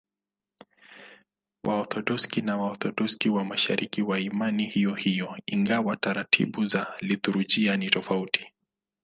Waorthodoksi na Waorthodoksi wa Mashariki wana imani hiyohiyo, ingawa taratibu za liturujia ni tofauti.